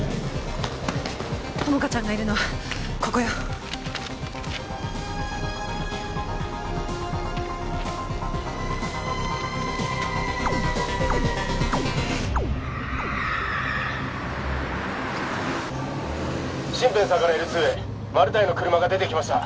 友果ちゃんがいるのはここよシンペン３からＬ２へマルタイの車が出てきました